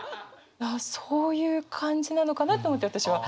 そういう感じなのかなと思って私は。